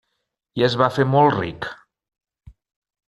I es va fer molt ric.